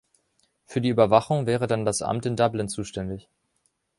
Für die Überwachung wäre dann das Amt in Dublin zuständig.